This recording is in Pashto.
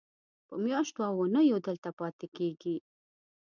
په میاشتو او اوونیو دلته پاتې کېږي.